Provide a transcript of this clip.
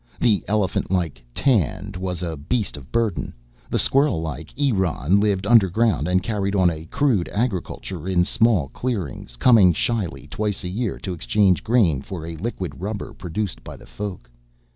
The elephant like Tand was a beast of burden, the squirrel like Eron lived underground and carried on a crude agriculture in small clearings, coming shyly twice a year to exchange grain for a liquid rubber produced by the Folk.